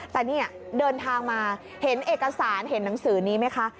แต่เนี่ยเดินทางมาเห็นเอกสารเห็นหนังสือนี้ไหมคะ